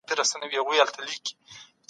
که انسان ازاد وي، نو غبرګون بېلابېل وي.